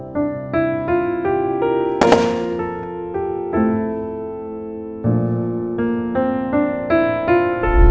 boleh ngututin disiniuenting kalau kita di deketin